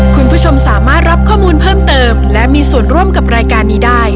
คุณผู้ชมสามารถรับข้อมูลเพิ่มเติมและมีส่วนร่วมกับรายการนี้ได้